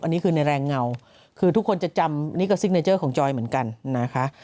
อันนี้คือในแรงเงาคือทุกคนจะจำนี่ก็ซิกเนเจอร์ของจอยเหมือนกันนะคะ